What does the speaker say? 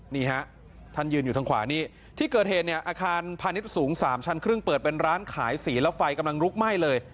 นี่ฮะท่านยืนอยู่ทางขวานี้ที่เกิดเหตุเนี่ยอาคารพาณิชย์สูง๓ชั้นครึ่งเปิดเป็นร้านขายสีแล้วไฟกำลังลุกไหม้เลย